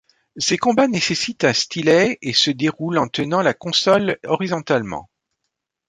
Ces combats nécessitent un stylet et se déroule en tenant la console horizontalement.